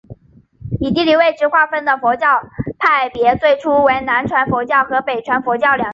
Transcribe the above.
以地理位置划分的佛教派别最初为南传佛教和北传佛教两支。